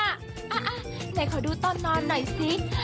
อ่ะไหนขอดูตอนนอนหน่อยสิ